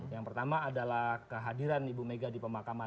yang pertama adalah kehadiran ibu mega di pemakaman